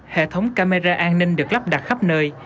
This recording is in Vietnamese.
hệ thống camera an ninh được lắp đặt khắp nơi